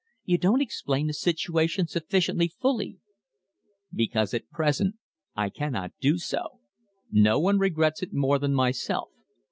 "You don't explain the situation sufficiently fully." "Because at present I cannot do so. No one regrets it more than myself.